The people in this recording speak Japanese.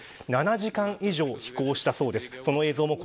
７時間以上、並行したそうです。